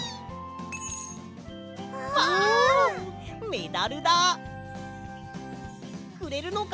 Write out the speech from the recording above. メダルだ！くれるのか？